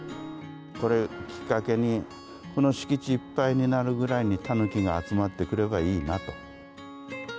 これきっかけに、この敷地いっぱいになるくらいにタヌキが集まってくればいいなと。